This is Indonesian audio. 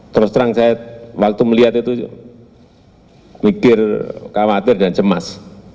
terus terang saya waktu melihat itu mikir khawatir dan cemas